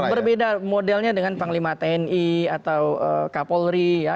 berbeda modelnya dengan panglima tni atau kapolri ya